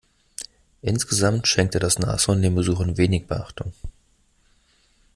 Insgesamt schenkte das Nashorn den Besuchern wenig Beachtung.